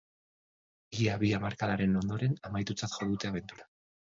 Ia bi hamarkadaren ondoren amaitutzat jo dute abentura.